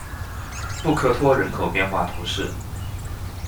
布克托人口变化图示